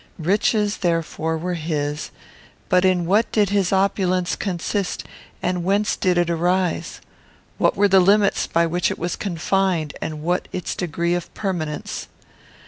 Riches, therefore, were his; but in what did his opulence consist, and whence did it arise? What were the limits by which it was confined, and what its degree of permanence?